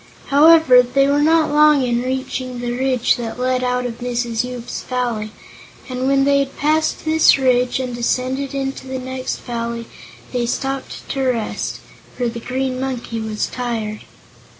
However, they were not very long in reaching the ridge that led out of Mrs. Yoop's Valley, and when they had passed this ridge and descended into the next valley they stopped to rest, for the Green Monkey was tired.